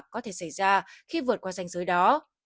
có thể xảy ra khi vượt qua danh giới đó